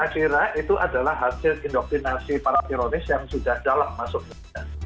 akhirnya itu adalah hasil indoktrinasi para ironis yang sudah jalan masuk ke dunia